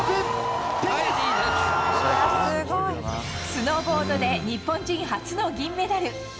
スノーボードで日本人初の銀メダル。